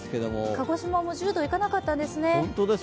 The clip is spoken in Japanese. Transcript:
鹿児島も１０度いかなかったんですね。